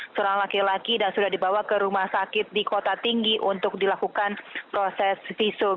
seorang laki laki dan sudah dibawa ke rumah sakit di kota tinggi untuk dilakukan proses visum